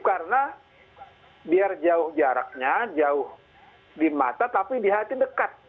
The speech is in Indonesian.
karena biar jauh jaraknya jauh di mata tapi di hati dekat